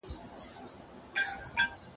هندو له يخه مړ سو چرگه ئې ژوندۍ پاته سوه.